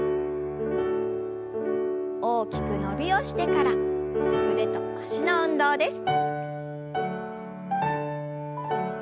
大きく伸びをしてから腕と脚の運動です。